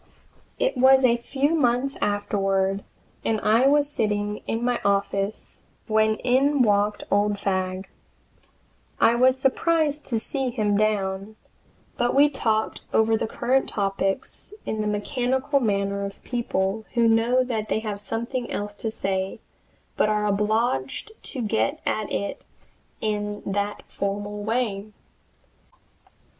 It was a few months afterward and I was sitting in my office when in walked old Fagg. I was surprised to see him down, but we talked over the current topics in that mechanical manner of people who know that they have something else to say, but are obliged to get at it in that formal way.